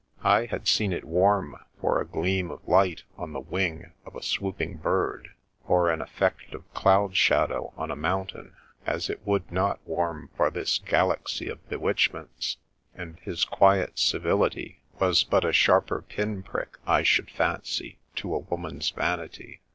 I had seen it warm for a gleam of light on the wing of a swooping bird, or an effect of cloud shadow on a mountain, as it would not warm for this galaxy of bewitchments, and his quiet civility was but a sharper pin prick, I should fancy, to a woman's vanity.